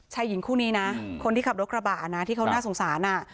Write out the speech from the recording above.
หญิงคู่นี้นะคนที่ขับรถกระบะนะที่เขาน่าสงสาร